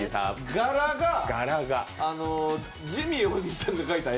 柄がジミー大西さんが描いた絵。